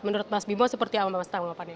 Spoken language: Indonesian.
menurut mas bimo seperti apa mas tanggapannya